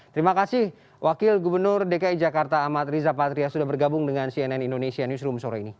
terima kasih wakil gubernur dki jakarta amat riza patria sudah bergabung dengan cnn indonesia newsroom sore ini